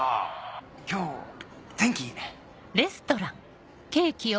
今日天気いいね。